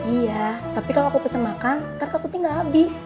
iya tapi kalau aku pesen makan ntar takutnya gak habis